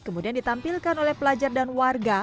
kemudian ditampilkan oleh pelajar dan warga